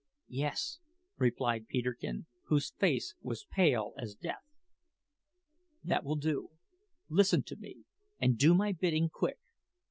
"Yes," replied Peterkin, whose face was pale as death. "That will do. Listen to me, and do my bidding quick.